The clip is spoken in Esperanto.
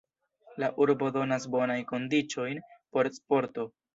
La urbo donas bonajn kondiĉojn por sporto.